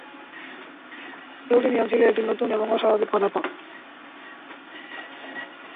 Plutonium ছিল একটি নতুন এবং অস্বাভাবিক পদার্থ।